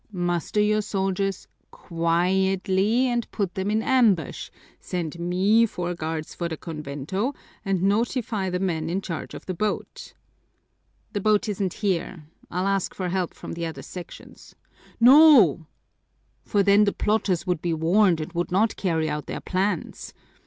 Muster your soldiers quietly and put them in ambush, send me four guards for the convento, and notify the men in charge of the boat." "The boat isn't here. I'll ask for help from the other sections." "No, for then the plotters would be warned and would not carry out their plans.